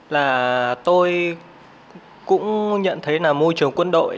là tôi cũng nhận thấy là môi trường quân đội